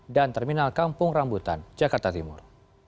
dan terminal kampung rambutan jakarta timur